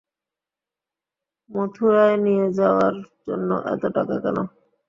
মথুরায় নিয়ে যাওয়ার জন্য এত টাকা কেন?